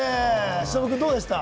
忍君、どうでした？